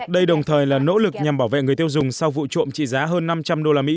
đây đồng thời là nỗ lực nhằm bảo vệ người tiêu dùng sau vụ trộm trị giá hơn năm trăm linh usd